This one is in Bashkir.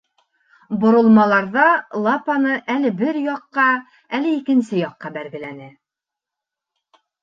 Боролмаларҙа Лапаны әле бер яҡҡа, әле икенсе яҡҡа бәргеләне.